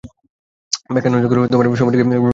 ব্যথার নদীগুলি ব্যথার সমুদ্রে গিয়ে বৃহৎ বিরাম লাভ করে।